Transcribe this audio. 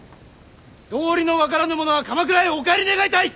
道理の分からぬ者は鎌倉へお帰り願いたい！